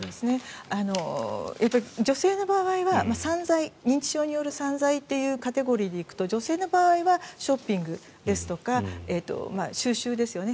やっぱり女性の場合は認知症による散財というカテゴリーで行くと女性の場合はショッピングですとか収集ですよね。